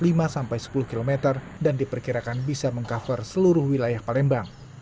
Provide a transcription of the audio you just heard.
lima sampai sepuluh km dan diperkirakan bisa meng cover seluruh wilayah palembang